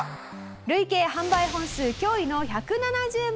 累計販売本数驚異の１７０万本を記録。